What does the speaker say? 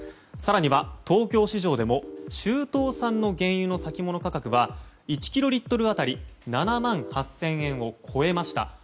更には東京市場でも中東産の原油の先物価格は１キロリットル当たり７万８０００円を超えました。